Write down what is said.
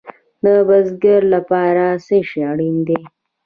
د بزګر لپاره څه شی اړین دی؟